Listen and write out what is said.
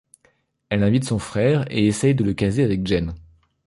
Elle invite son frère et essaye de le caser avec Jen.